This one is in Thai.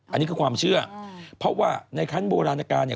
อันนี้คือความเชื่อเพราะว่าในขั้นโบราณการเนี่ย